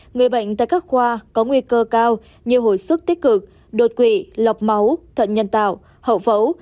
người bệnh tại các khoa có nguy cơ cao như hồi sức tích cực đột quỵ lọc máu thận nhân tạo hậu phẫu